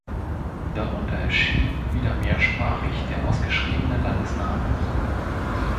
Darunter erschien wieder mehrsprachig der ausgeschriebene Landesname.